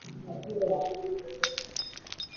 নয়তো আজ যে বেঁচে গেছে কাল সে মারা যাবে, এভাবে চলতেই থাকবে।